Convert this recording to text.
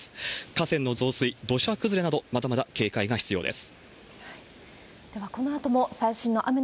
河川の増水、土砂崩れなど、まだまだ警戒が必要です。